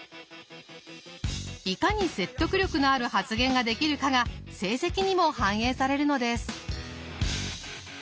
いかに説得力のある発言ができるかが成績にも反映されるのです。